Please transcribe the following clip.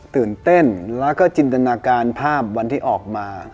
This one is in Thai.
ตื่นเต้นแล้วก็จินตนาการภาพวันที่ออกมา